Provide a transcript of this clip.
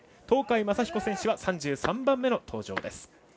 東海将彦選手は３３番目の登場。